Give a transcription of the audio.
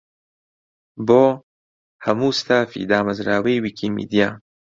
بۆ: هەموو ستافی دامەزراوەی ویکیمیدیا.